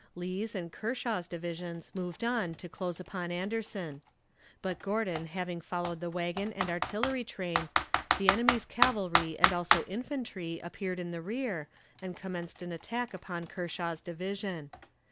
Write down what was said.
Lee's and Kershaw's divisions moved on to close upon Anderson; but Gordon having followed the wagon and artillery train, the enemy's cavalry and also infantry appeared in the rear, and commenced an attack upon Kershaw's division.